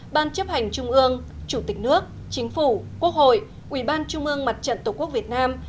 ban chấp hành trung ương chủ tịch nước chính phủ quốc hội ubnd tổ quốc việt nam